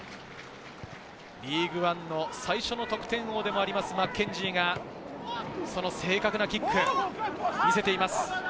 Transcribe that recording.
リーグワンの最初の得点王でもあるマッケンジーが、その正確なキック、見せています。